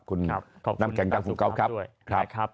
คุณน้ำแข่งกลางฝุกเกาะครับ